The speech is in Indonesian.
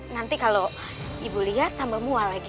nanti kalau ibu lihat tambah mual lagi